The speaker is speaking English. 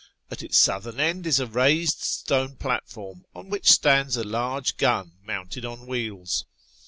At its southern end is a raised stone platform, on which stands a large gun mounted on wheels.